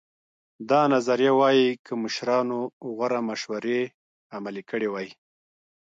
دا نظریه وایي که مشرانو غوره مشورې عملي کړې وای.